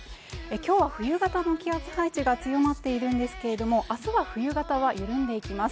今日は冬型の気圧配置が強まっているんですけれども、明日は冬型は緩んでいきます。